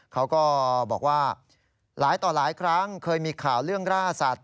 เขาก็บอกว่าหลายต่อหลายครั้งเคยมีข่าวเรื่องร่าสัตว